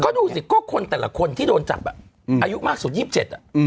ก็ดูสิก็คนแต่ละคนที่โดนจับอายุมากสุดยิบเจ็ด